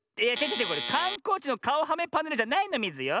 これかんこうちのかおはめパネルじゃないのミズよ。